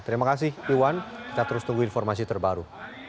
terima kasih iwan kita terus tunggu informasi terbaru